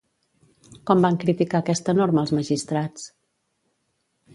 Com van criticar aquesta norma els magistrats?